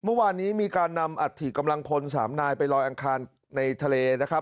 เมื่อวานนี้มีการนำอัฐิกำลังพล๓นายไปลอยอังคารในทะเลนะครับ